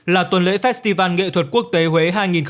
là tuần lễ festival nghệ thuật quốc tế huế hai nghìn hai mươi bốn